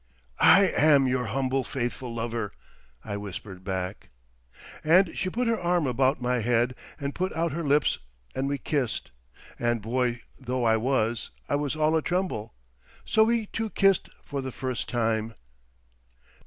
"I am your humble, faithful lover," I whispered back. And she put her arm about my head and put out her lips and we kissed, and boy though I was, I was all atremble. So we two kissed for the first time.